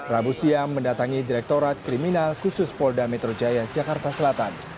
rabu siang mendatangi direktorat kriminal khusus polda metro jaya jakarta selatan